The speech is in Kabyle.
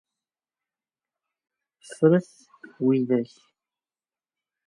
Ffret widak.